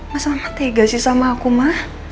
masa mama tega sih sama aku ma